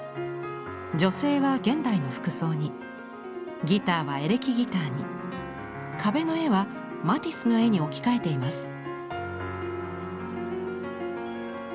女性は現代の服装にギターはエレキギターに壁の絵はマティスの絵に置き換えています。